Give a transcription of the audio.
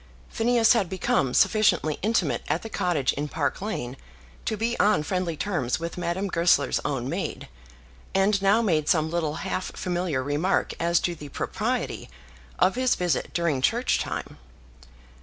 Phineas had become sufficiently intimate at the cottage in Park Lane to be on friendly terms with Madame Goesler's own maid, and now made some little half familiar remark as to the propriety of his visit during church time.